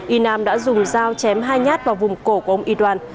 y nam đã dùng dao chém hai nhát vào vùng cổ của ông y đoan